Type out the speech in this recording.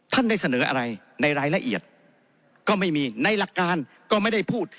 ท่านได้เสนออะไรในรายละเอียดก็ไม่มีในหลักการก็ไม่ได้พูด